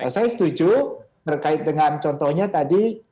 saya setuju terkait dengan contohnya tadi